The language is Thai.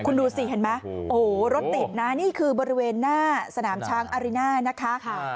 คุณดูสิเห็นไหมโอ้โหรถติดนะนี่คือบริเวณหน้าสนามช้างอาริน่านะคะ